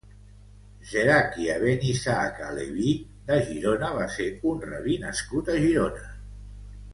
Zerakhia ben Isaac ha-Leví de Girona va ser un rabí nascut a Girona.